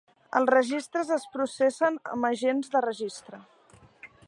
Els registres es processen amb agents de registre.